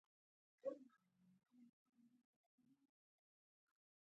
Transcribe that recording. دا د ډوډۍ خبره تر حکمرانۍ پورې غځېدلې وه.